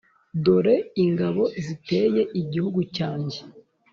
Dore ingabo ziteye igihugu cyanjye,